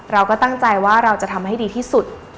เราก็ตั้งใจว่าเราจะทำให้ดีที่สุด